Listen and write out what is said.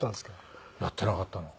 やってなかったの。